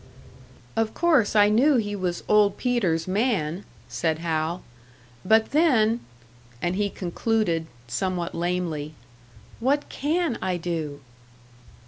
"Of course I knew he was Old Peter's man," said Hal. "But then" and he concluded, somewhat lamely, "What can I do?"